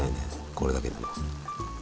これだけでも。